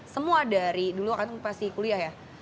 semua dari dulu kan pasti kuliah ya